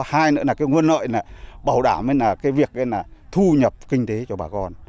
hai nữa là nguồn lợi bảo đảm việc thu nhập kinh tế cho bà con